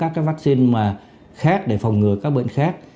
một số các cái vaccine mà khác để phòng ngừa các bệnh khác